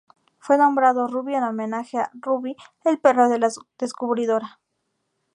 Fue nombrado Ruby en homenaje a "Ruby" el perro de la descubridora.